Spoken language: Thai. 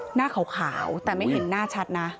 หน้าขาวแต่ไม่เห็นหน้าชัดนะ